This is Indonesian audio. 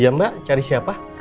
ya mbak cari siapa